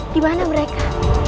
di mana mereka